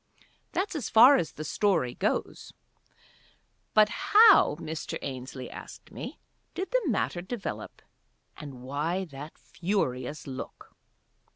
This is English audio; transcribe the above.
That's as far as the story goes. But how, Mr. Ainslie asked me, did the matter develop, and why that furious look?